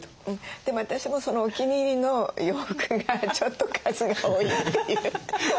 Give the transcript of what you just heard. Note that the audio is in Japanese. でも私もそのお気に入りの洋服がちょっと数が多いっていう。